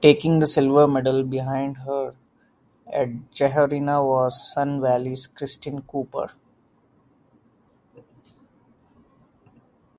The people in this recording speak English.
Taking the silver medal behind her at Jahorina was Sun Valley's Christin Cooper.